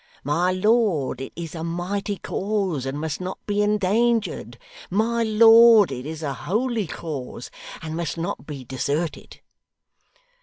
My lord, it is a mighty cause, and must not be endangered. My lord, it is a holy cause, and must not be deserted.